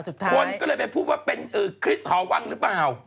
คนก็เลยไปพูดว่าเป็นคริสต์หอวังหรือเปล่า